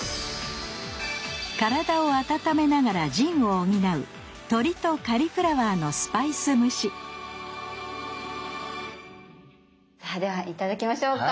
体を温めながら腎を補うさあでは頂きましょうか。